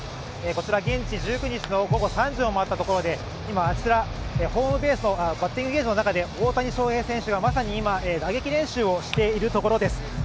こちら現地１９日の午後３時を回ったところで今、あちらバッティングベースで大谷翔平選手がまさに今、打撃練習をしているところです。